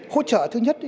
hỗ trợ thứ nhất